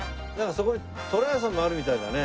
そこにとらやさんがあるみたいだね。